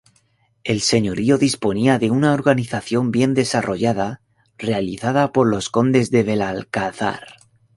El señorío disponía de una organización bien desarrollada, realizada por los condes de Belalcázar.